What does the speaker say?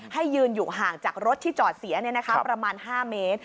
ให้ยืนอยู่ห่างจากรถที่จอดเสียประมาณ๕เมตร